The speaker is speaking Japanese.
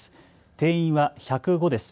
定員は１０５です。